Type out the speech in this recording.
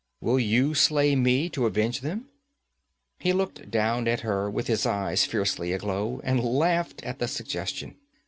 Will you slay me, to avenge them?' He looked down at her, with eyes fiercely aglow, and laughed at the suggestion.